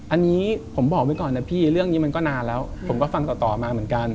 อันนี้ผมบอกไว้ก่อนนะพี่เรื่องนี้มันก็นานแล้วผมก็ฟังต่อมาเหมือนกัน